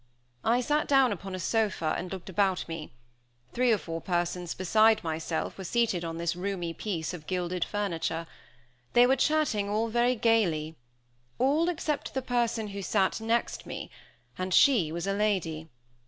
I sat down upon a sofa, and looked about me. Three or four persons beside myself were seated on this roomy piece of gilded furniture. They were chatting all very gaily; all except the person who sat next me, and she was a lady.